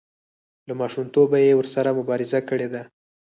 له ماشومتوبه یې ورسره مبارزه کړې ده.